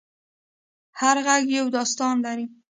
هر غږ یو داستان لري.